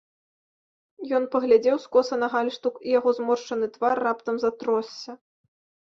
Ён паглядзеў скоса на гальштук, і яго зморшчаны твар раптам затросся.